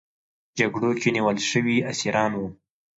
جګړو کې نیول شوي اسیران وو.